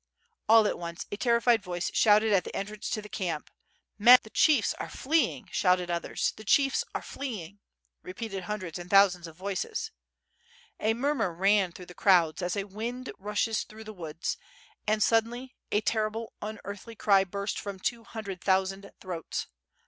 All at once a terrified voice shouted at the entrance to the camp: 820 ^^^^^^^^^^^^ SWORD. "Men save yourselves!" "The chiefs are fleeing!" shouted others. "The chiefs are fleeing!" repeated hundreds and thousands of voices. A murmur ran through the crowds as a wind rushes through the woods, and suddenly a terrible, unearthly cry burst from two hundred thousand throats.